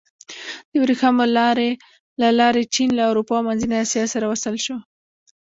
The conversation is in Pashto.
د ورېښمو لارې له لارې چین له اروپا او منځنۍ اسیا سره وصل شو.